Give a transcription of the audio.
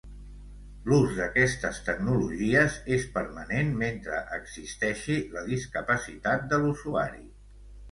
L'ús d'aquestes tecnologies és permanent mentre existeixi la discapacitat de l'usuari.